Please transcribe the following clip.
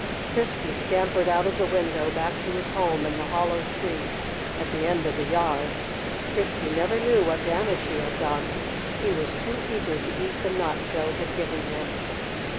Frisky scampered out of the window, back to his home in the hollow tree at the end of the yard. Frisky never knew what damage he had done. He was too eager to eat the nut Joe had given him.